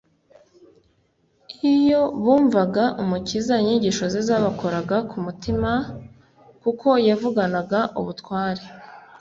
Iyo bumvaga Umukiza, "inyigisho ze zabakoraga ku mutima kuko yavuganaga ubutware."